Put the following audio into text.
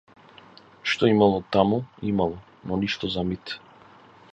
Што имало таму, имало, но ништо за мит.